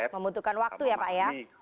membutuhkan waktu ya pak ya